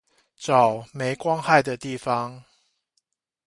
找沒光害的地方